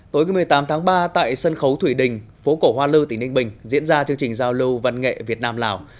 tối một mươi tám tháng ba tại sân khấu thủy đình phố cổ hoa lư tỉnh ninh bình diễn ra chương trình giao lưu văn nghệ việt nam lào